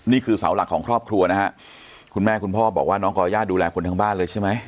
นี่คือเสาหลักของครอบครัวนะฮะคุณแม่คุณพ่อบอกว่าน้องก่อย่าดูแลคนทั้งบ้านเลยใช่ไหม